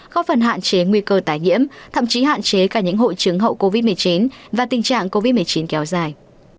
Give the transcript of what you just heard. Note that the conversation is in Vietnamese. góp phần hạn chế nguy cơ tái nhiễm thậm chí hạn chế cả những hội chứng hậu covid một mươi chín và tình trạng covid một mươi chín kéo dài